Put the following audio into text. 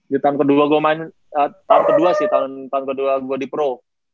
di tahun kedua gue main tahap kedua sih tahun kedua gue di pro